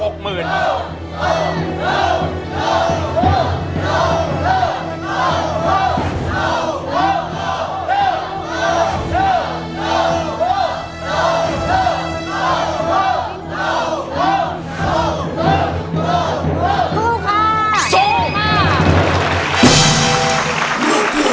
คุณค่ะ